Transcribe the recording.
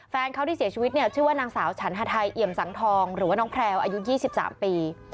แฟนเขาที่เสียชีวิตเนี่ยชื่อว่านางสาวฉันฮาไทยเอี่ยมสังทองหรือว่าน้องแพลวอายุ๒๓ปี